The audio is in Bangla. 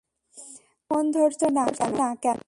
তুমি ফোন ধরছো না কেন?